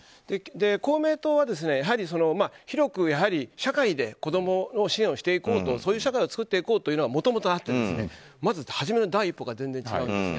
公明党は、広く社会で子供の支援をしていこうそういう社会を作っていこうというのがもともとあってまず、初めの第一歩が全然違うんですが。